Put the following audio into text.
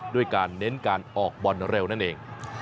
ด้วยการเน้นการออกบอลเร็วนั่นเอง